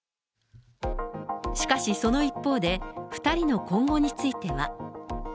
しかしその一方で、２人の今後については。